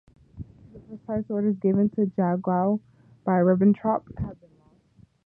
The precise orders given to Jagow by Ribbentrop have been lost.